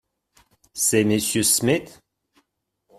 C'est M. Smith ?